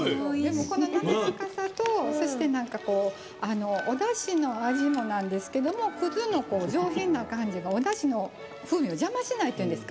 この、なめらかさとそしておだしの味もなんですけど葛の上品な感じがおだしの風味を邪魔しないっていうんですか。